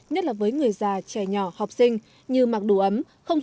nhất là với người già trẻ nhỏ học sinh như mặc đủ ấm không xuất hiện bệnh